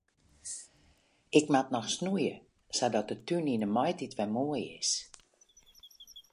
Ik moat noch snoeie sadat de tún yn de maitiid wer moai is.